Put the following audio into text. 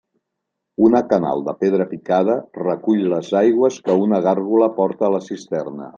Una canal de pedra picada, recull les aigües que una gàrgola porta a la cisterna.